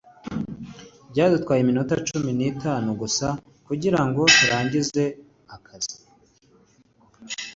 byadutwaye iminota cumi n'itanu gusa kugirango turangize akazi